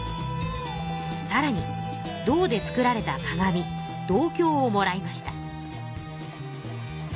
さらに銅で作られた鏡銅鏡をもらいました。